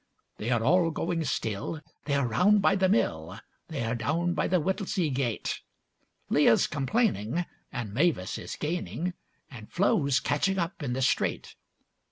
They are all going still; they are round by the mill, They are down by the Whittlesea gate; Leah's complaining, and Mavis is gaining, And Flo's catching up in the straight.